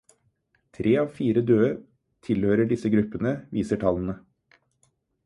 Tre av fire døde tilhører disse gruppene, viser tallene.